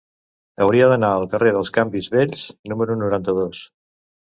Hauria d'anar al carrer dels Canvis Vells número noranta-dos.